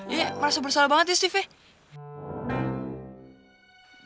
iya merasa bersalah banget ya steven